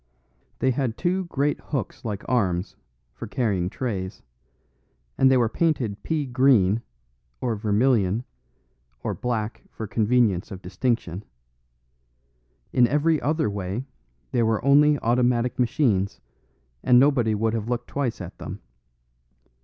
They had two great hooks like arms, for carrying trays; and they were painted pea green, or vermilion, or black for convenience of distinction; in every other way they were only automatic machines and nobody would have looked twice at them.